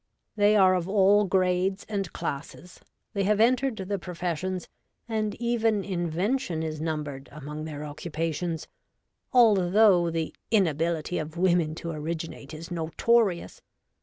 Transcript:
They are of all grades and classes ; they have entered the professions, and even invention is numbered among their occupations, although the inability of women to originate is notorious.